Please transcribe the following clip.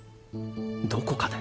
どこかで